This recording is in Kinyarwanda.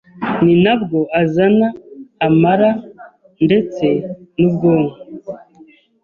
Ni nabwo azana amara ndetse n’ubwonko